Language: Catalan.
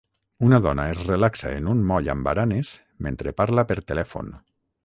Una dona es relaxa en un moll amb baranes mentre parla per telèfon.